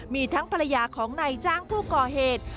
มีทั้งภรรยาของนายจ้างผู้ก่อเหตุ